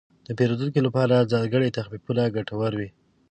د پیرودونکو لپاره ځانګړي تخفیفونه ګټور وي.